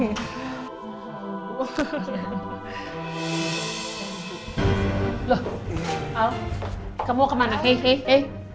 al kamu mau kemana hei hei hei